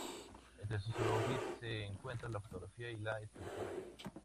Entre sus hobbies se encuentran la fotografía y la escritura.